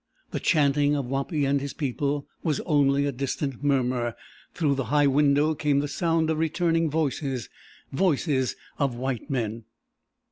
The chanting of Wapi and his people was only a distant murmur; through the high window came the sound of returning voices voices of white men.